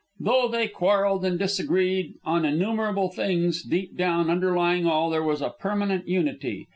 Though they quarrelled and disagreed on innumerable things, deep down, underlying all, there was a permanent unity.